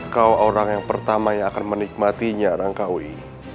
kau orang yang pertama yang akan menikmatinya rangkawi